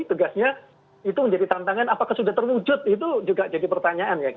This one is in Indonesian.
tegasnya itu menjadi tantangan apakah sudah terwujud itu juga jadi pertanyaan